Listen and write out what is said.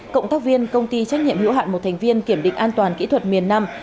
cộng tác viên công ty trách nhiệm hữu hạn một thành viên kiểm định an toàn kỹ thuật miền nam